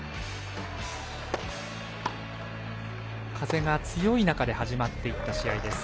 風が強い中で始まっていった試合です。